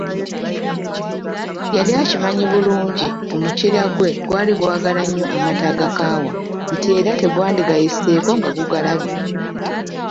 Yali akimanyi bulungi omukira gwe gwali gwagala nnyo amata agakaawa nti era tegwandigayiseeko nga gugalabye.